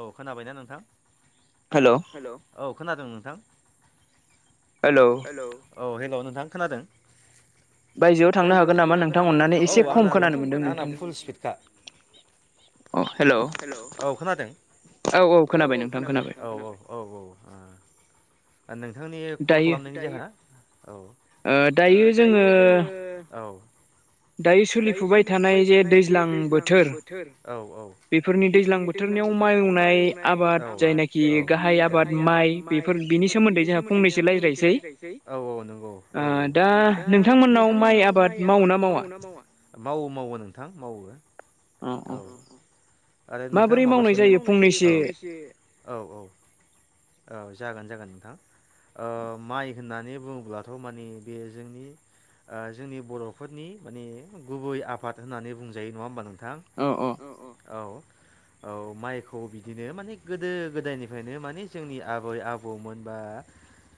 औ खोनाबायना नोंथां हेल' औ खोनादों नोंथां? हेल औ हेल' नोंथां खोनादों? बायजोआव थांनो हागोन नामा नोंथां औ आंना फुल स्पिडखा। अ। हेल' औ खोनादों औ औ खोनाबाय नोंथां औ औ औ। औ आ नोंथांनि कल खालामनायनि जोंहोना औ दायो जोङो औ दायो सोलिफुबाय थानाय जे दैज्लां बोथोर बेफोरनि दैज्लां बोथोरनिआव मावनाय आबाद जायनोखि गाहाय आबाद माइ बे बेफोरनि बिनि सोमोन्दै जोंहा फंनैसो रायज्लायसै औ औ नोंगौ औ औ दा नोंथां बिथांमोननिआव माइ आबाद मावोना मावा मावो मावो नोंथां मावो। औ। आरो नोंथां माबा सोंनो? मा बोरै मावनाय जायो फंनैसो, औ औ औ जागोन जागोन नोंथां। ओ माइ होननानै बुङोब्लाथ' माने बे जोंनि ओ जोंनि बर'फोरनि माने गुबै आबाद होननानै बुंजायो नङा होमबा नोंथां? नोंथां औ औ, औ। औ माइखौ बिदिनो माने गोदो गोदायनिफ्रायनो माने जोंनि आबै आबौमोन बा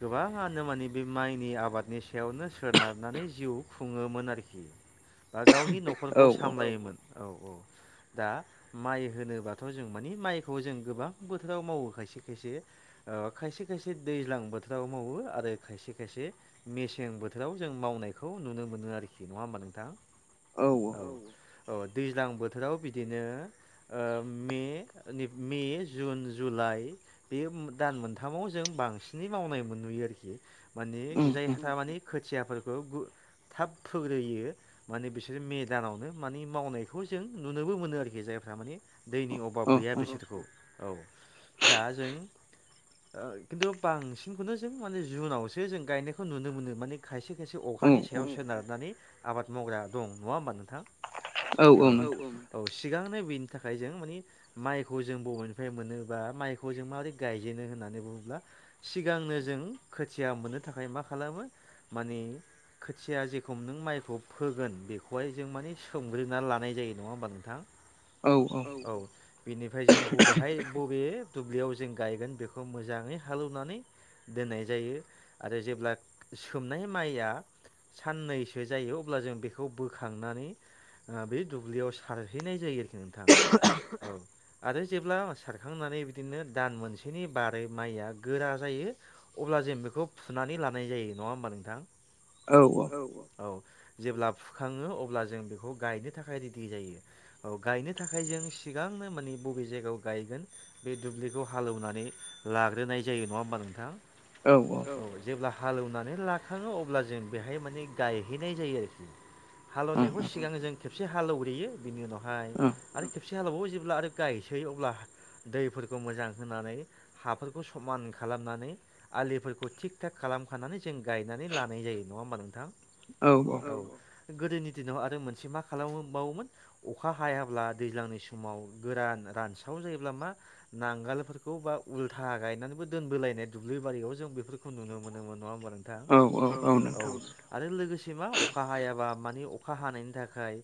गोबाङानो माने बे माइनि आबादनि सायावनो सोनारनानै जिउ खुङोमोन आरोखि। बा गावनि न'खरखौ सामलायोमोन औ औ दा माइ होनोबाथ' जों मानि माइखौ जों गोबां बोथोराव मावो खायसे खायसे ओ खायसे खायसे दैज्लां बोथोराव मावो आरो खायसे खायसे मेसें बोथोराव जों मावनायखौ नु नुनो मोनो आरोखि नङा होमबा नोंथा? औ। औ दैज्लां बोथोराव बिदिनो ओ मे जुन जुलाइ बे दान मोनथामाव जों बांसिनै मावनाय मोन नुयो आरोखि माने जायहाानि खोथियाफोरखौ थाब फोग्रोयो माने बिसोरो मेदानावनो माने मावनायखौ जों नुनोबो मोनो आरोखि जाय थ माने दैनि अभाब गैया बिसोरखौ औ दा जों खिन्थु बांसिनखौनो जों माने जुनावसो जों गायनायखौ नुनो मोनो माने खायसे खायसे अ अखानि सायाव सोनारनानै आबाद मावग्रा दं नङा होमबा नोंथां? औ औ औ सिगांनो बेनि थाखाय जों माने माइखौ जों बबेनिफ्राय मोनोबा माइखौ जों माबोरै गायजेनो होननानै बुङो सिगांनो जों खोथिया मोननो थाखाय मा खालामो माने खोथिया जेखौ नों माइखौ फोगोन बेखौहाय जों माने सोमग्रोना लानाय जायो नङा होमबा नोंथां? औ औ। बिनिफ्राय जों बबेहाय बबे दुब्लियाव जों गायगोन बेखौ मोजाङै हालेवनानै दोननाय जायो आरो जेब्ला सोमनाय माइया साननैसो जायो अब्ला जों बेखौ बोखांनानै बे दुब्लियाव सारहैनाय जायो आरोखि नोंथां। औ आरो जेब्ला सारखांनानै बिदिनो दान मोनसेनि बारो माइया गोरा जायो। अब्ला जों बेखौ फुनानै लानाय जायो नङा होनबा नोंथां औ औ। जेब्ला फुखाङो अब्ला जों बेखौ गायनो थाखाय रेदि जायो औ गायनो नि थाखाय जों सिगांनो माने बबे जायगायाव गायगोन बे दुब्लिखौ हालेवनानै लाग्रोनाय नाय जायो नङा होनबा नोंथां औ जेब्ला हालेवनानै लाखाङो अब्ला जों बेहाय माने गायहैनाय जायो आरोखि। हालेवनायखौ सिगां जों खेबसे हालौवग्रोयो बिनि उनावहाय हालेवो जेब्ला आरो गायसै अब्ला दैफोरखौ मोजां होनानै हाफोरखौ समान खालाम खालामनानै आलिफोरखौ थिग थाग खालामखानानै जों गायनानै लानाय जायो नङा होमबा नोंथां औ औ गोदोनि दिनाव आरो मोनसे मा खालामबावोमोन अखा हायाब्ला दैज्लांनि समाव गोरान रानस्राव जायोब्ला मा नांगोलफोरखौ बा उल्था गायनानै दोनबोलायनाय दुब्लिबारियाव जों बेफोरखौ नुनो मोनोमोन नङा होनबा नोंथां औ औ औ आरो लोगोसे सेमा अखा हायाबा माने अखा हानायनि थाखाय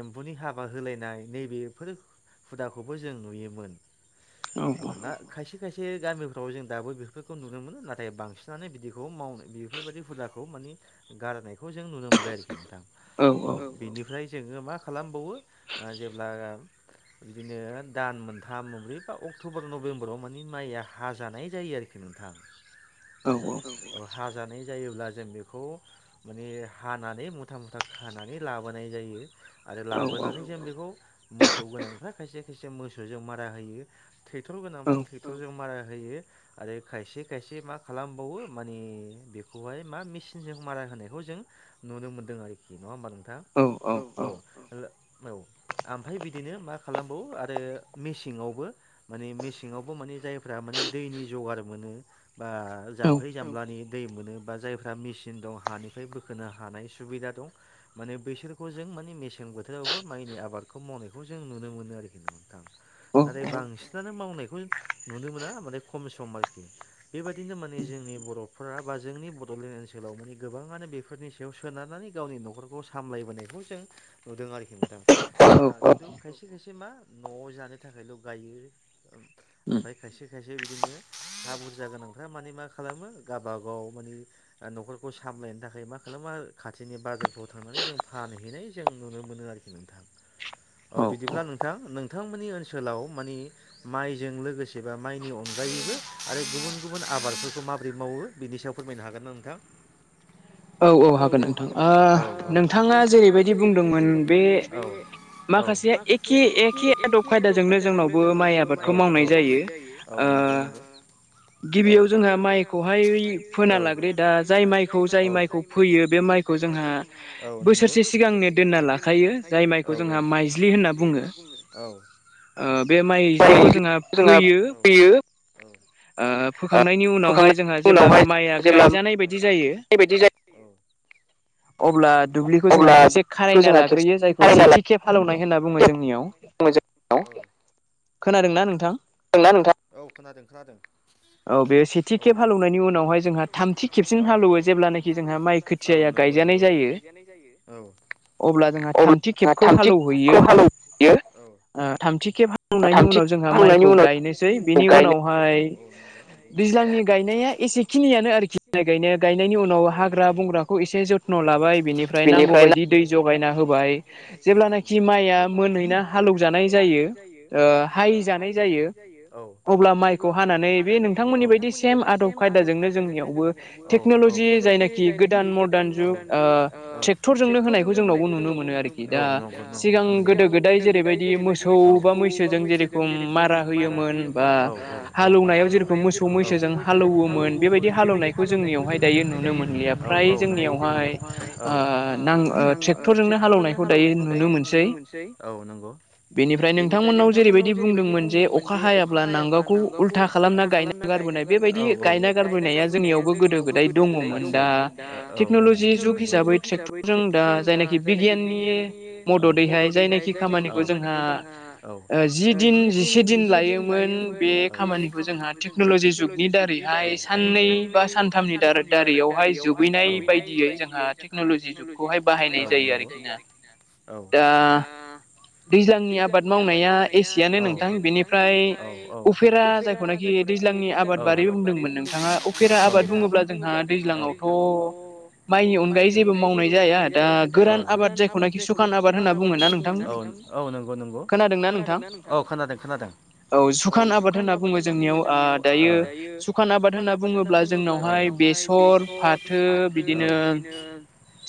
एमबुनि हाबा होलायनाय नैबेफोर हुदाखौबो जों नुयोमोन औ ना खायसे खायसे गामिफ्राव जों दाबो बेफोरखौ नुनो मोनो नाथाय बांसिनानो बिदिखौ माव बेफोरबायाददि हुदाखौ माने गारनायखौ जों नुनो मोनबाय आरोखि नोंथां औ बेनिफ्राय जोङो मा खालामबावो आ जेब्ला बिदिनो दान मोनथाम मोनब्रै बा अक्ट'बर नभेम्बराव माने माइया हाजानाय जायो आरोखि नोंथां औ औ हाजानाय जायोब्ला जों बेखौ माने हानानै मुथा मुथा खानानै लाबोनाय जायो आरो लाबोनानै जों बेखौ मोसौ गोनांफ्रा खायसे खायसे मोसौजों मारा होयो ट्रेक्टर गोनांफ्रा ट्रेक्टरजों मारा होयो थायो आरो खायसे खायसे मा खालामबावो माने बेखौहाय मा मेसिनजों मारा होनो नायखौ जों नुनो मोनदों आरोखि नङा होमबा नोंथां औ औ ओमफ्राय बिदिनो मा खालामबावो आरो मेसेंआवबो माने मेसेंआवबो माने जायफ्रा माने दैनि जगार मोनो बा जामग्रै जामलानि दै मोनो बा जायफ्रा मेसिन दं हा निनिफ्राय बोखोनो हानाय सुबिदा दं माने बैसोरखौ जों माने मेसें बोथोरावबो माइनि आबाद खौ मावनायखौ जों नुनो मोनो आरोखि नोंथां नाथाय बांसिनानो मावनायखौ नुनो मोना माने खम सम आरोखि बेबायदिनो माने जोंनि बर'फोरा बा जोंनि बड'लेण्ड ओनसोलाव माने गोबां मानो बेफोरनि सायाव सोनारनानै गावनि न'खरखौ सामलायबोनायखौ जों नुदों आरोखि नोंथां खिन्थु खायसे खायसे मा न'आव जानो थाखायल' गायो ओमफ्राय खायसे खायसे बिदिनो हा बुरजा गोनांफोरा माने मा खालामो गावबा गाव माने न'खरखौ सामलायनो थाखाय मा खालामा खाथिनि बाजारफ्राव थांनानै जों फानहैनाय जों नुनो मोनो आरोखि नोंथां औ बिदिब्ला नोंथां नोंथांमोननि ओनसोलाव माने माइजों लोगोसे बा माइनि अनगायै आरो गुबुन गुबुन आबादफोरखौ माबोरै मावो बेनि सायाव फोरमायनो हागोन ना नोंथां औ औ हागोन नोंथां ओ‌ नोंथाङा जेरैबायदि बुंदोंमोन बे माखासेया एखे एखे आदब खायदाजोंनो जोंनावबो माइ आबादखौ मावनाय जायो ओ ओ गिबियाव जोंहा माइखौहाय फोना लाग्रोयो दा जाय माइखौ जाय माइ खौ फैयो बे माइखौ जोंहा बोसोरसे सिगांनो दोनना लाखायो जाय माइ औ औ खौ जोंहा माइज्लि होनना बुङो औ ओ बे माइ इज्लिखौ जोंहा फोयो आ फोखांनायनि उनावहाय जोंहा जेब्ला माइया गायजानाय बायदि जायो औ अब्ला दुब्लिखौ जोंहा खेबसे खारायना लाग्रोयो जायखौ सेथि खेब हालेवनाय होनना बुङो जोंनियाव औ खोनादोंना नोंथां खोनादों ना नोंथां औ खोनादों खोनादों औ बे सेथि खेब हालेवनायनि उनावहाय जोंहा थामथि खेबसिन हालौवो जब्लानो हालेवो जेब्ला निखि औ नंगौ नंगौ माइ गोथिया गायजानाय जायो औ अब्ला जोंहा थामथि खेबखौ हालेवहैयो ओ थामथि खेब हालेवनायनि उनाव जोंहा माइखौ गायनोसै बिनि उनावहाय दैज्लांनि गायनाया एसेखिनियानो आरोखि माइ गायनाया गायनायनि उनाव हाग्रा बंग्राखौ एसे जथ्न' लाबाय बिनिफ्राय नांगौबायायदि दै जगायना होबाय जेब्लानाखि। माया मोनहै हालौ जानाय जायो ओ हाहै जानाय जायो। जानाय जायो अब्ला माइखौ हानानै बे नोंथांमोननि बायदि सेम आदब खायदाजोंनो जोंनियाव। टेक्न'लजि जायनाखि। खि गोदान मदार्न जुग ट्रेक्टर जोंनो होनायखौ जोंनावबो नुनो मोनो आरोखि दा। सिगां गोदो गोदाय जेरैबायदि मोसौ बा मैसोजों जेरेखम। मारा होयोमोन बा हालौवनायाव जेरेख मोसौ मैसोजों हालौवोमोन बेबायदि हालौवनाय। खौ जोंनियावहाय दायो नुनो मोनलिया। फ्राय जोंनियावहाय ओ नां ओ ट्रेक्टरजोंनो हालेवनायखौ दायो नुनो मोनसैव मोनसै औ नंगौ। बेनिफ्राय नोंथांमोननाव जेरैबायदि बुंदों। जे अखा हायाब्ला नांगालखौ उल्था खालामना गायना गारबोनाय बेबायदि गायना गारबोनाया जोंनि। नि यावबो गोदो गोदाय दङमोन। दा टेक्न'लजि जुग हिसाबै ट्रेक्टरजों दा जायनाखि बिगियाननि। है हाय जायनाखि खामानिखौ जोंहा जि दिन। जिसे दिन लायोमोन बे खामानिखौ जोंहा टेक्न'लजि जुगनि दारैहाय साननै बा सानथामनि दारा दारियावहाय ओरैयावहाय जोबहैनाय बायदियै जोंहा टेक्न'लजि जुगखौहाय बाहायनाय जायो आरोखि औ। दा। दैज्लांनि आबाद मावनाया एसियानो। एसेयानो नोंथां बेनिफ्राय उफेरा जायखौनाखि दैज्लांनि आबाद बारि बुंदोंमोन। फेरा आबाद बुङोब्ला जोंहा दैज्लाङाव अ माइनि अनगायै जेबो मावनाय जाया दा गोरान आबाद जायखौनाखि सुखान आबाद होनोब औ औ नंगौ नंगौ खोनादों न औ खोनादों खोनादों। औ जुखान आबाद होनना बुङो जोंनियाव दायो जुखान आबाद होनना बुङोब्ला जोंनावहाय बेसर फाथो बिदिनो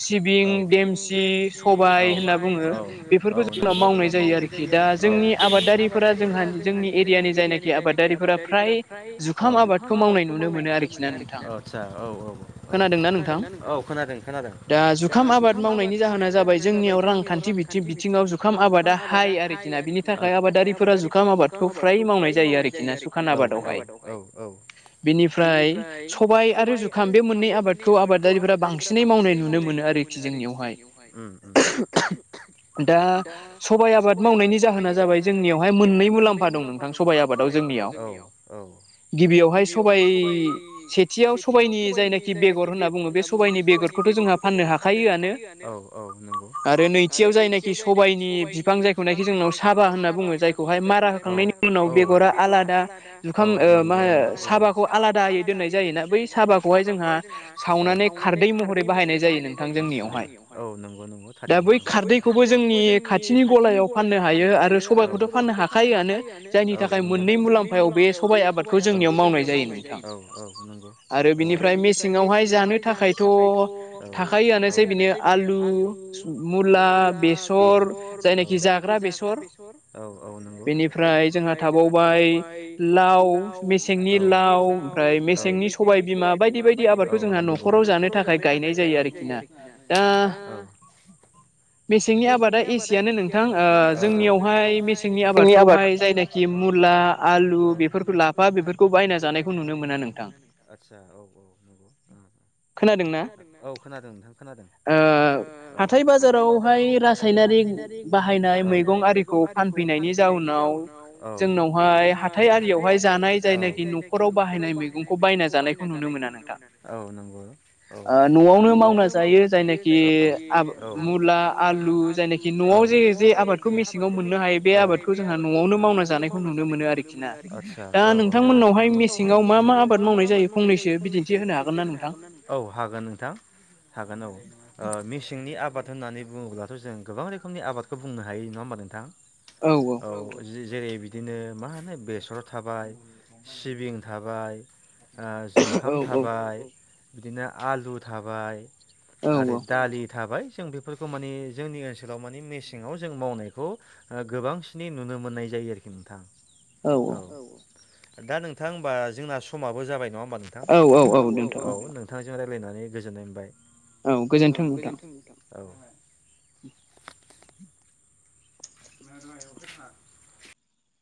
सिबिं देमसि सबाय होनना बुङो बेफोरखौ जोंनाव मावनाय जायो आरोखि दा जोंनि आबादारिफोरा जोंहामनि जोंहा जोंनि एरियानि जायनाखि आबादारिफोरा फ्राय जुखाम आबादखौ मावनाय नु मोन। मावनाय नुनो मोनो आरोखि आतसा औ औ। औ खोनादों ना औ खोनादों खोनादों दा जुखाम आबाद मावनायनि जाहोना जाबाय जोंनियाव रां बिथिङाव जुखाम आबादा हाय आरोखि ना बिनि नि थाखाय आबादारिफोरा जुखाम आबादखौ फ्राय मावनाय जायो आरोखि ना जुखाम आबादावहाय बेनिफ्राय सबाय आरो जुखाम बे मोननै आबाद आबादखौ आबादारिफोरा्रा बांसिनै मावनाय नुनो मोनो आरोखि जोंनियावहाय। दा सबाइ आबाद मावनायनि मावनायनि जाहोना जाबाय जोंनियावहाय मोननै मुलाम्फा दं नोंथां सबाय आबादाव जोंनियाव गिबियावहाय सबबाय सेथियाव सबायाइनि जायनाखि जायख बेर होनना बुङो बे सबबायनि बेगरखौथ' जोंहा फाननो हाखायोआनो जायनाखि सबायनि बिफां जायखौनाखि जोंनाव साबा होनना बुङो जायखौहाय मारा होखांनायनि उनाव बेगरा आलादा जुखाम मा होनो सा साबाखौ आलादायै दोननाय जायोना बै साबाखौहाय जोंहा। जों खावनानै खारदै महरै बाहायनाय जायो औ नंगौ नंगौ थारैनो दा बै। बे खौबो जोंनि खाथिनि गलायाव फाननो हायो। हायो आरो सबबायखौथ' फाननो हाखायोआनो जायनि थाखाय मोननै मुलाम्फायाव बे सबाइ आबादखौ जोंनियाव माव। औ औ नंगौ। सिङावहाय जानो थाखायथ' थाखायोआनोसै बेनो आलु मुला। बेसर जायनाखि जा। जाग्रा बेसर औ औ नंगौ बेनिफ्राय जोंहा थाबावबाय लाव। मेसेंनि लाव, ओमफ्राय मेसेंनि सबायबिमा बायदि बायदि बेबायदि आबादखौ जोंहा न'खराव जानो थाखाय गायनाय जायो आरोखि ना दा औ मेसेंनि आबादा एसेयानो नोंथां ओ जोंनियावहाय मेसेंनि आबादखौहाय जायनाखि मुला, आलु, बेफोरखौ लाफा बे लाफा बेफोरखौ बायना जानायखौ नुनो मोना आतसा औ [inaudible] खोनादोंना? औ खोनादों नोंथां खोनादों आ हाथाय बाजारावहाय रासायनारि बा हायनाय मैगं आरिखौ फानफैनायनि जाउनाव जोंनावहाय हाथाय आरियावहाय जानाय जायनाखि न'खराव बाहायनाय मैगंखौ बायना जानायखौ नुनो मोना नोंथां। न'आवनो मावना जायो जायनाखि मुला, आलु जायनाखि न'आव जे जे आबादखौ मेसेङाव मोननो हायो बे आबादखौ जोंहा न'आवनो मावना जानायखौ नुनो मोनो आरोखि ना। दा नोंथांमोनावहाय मेसेङाव मा मा आबाद मावनाय जायो फंनैसो बिदिन थि होनो हागोनना? औ हागोन नोंथां हागोन औ ओ मेसेंनि आबाद होननानै बुङोब्लाथ' जों गोबां रोखोमनि आबादखौ बुंनो हायो नङा होमबा नोंथां। औ जेरै बिदि बिदिनो मा होनो बेसर थाबाय, सिबिं थाबाय, जुंखाम थाबाय, बिदिनो आलु थाबाय, आरो दालि थाबाय जों बेफोरखौ माने जोंनि ओनसोलाव माने मे सेङाव जों मावनायखौ गोबांसिनै नुनो मोननाय जायो आरोखि नोंथां। औ दा नोंथां होमबा जोंना समाबो जाबाय नङा होमबा नोंथां, औ औ नोंथांजों रा लायनानै गोजोननाय मोनबाय। औ गोजोन्थों नोंथां औ [inaudible]